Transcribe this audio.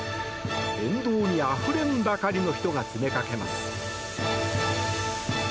沿道にあふれんばかりの人が詰めかけます。